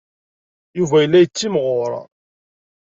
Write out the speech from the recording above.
Yuba yella yettimɣur.